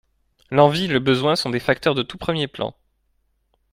L’envie, le besoin sont des facteurs de tout premier plan.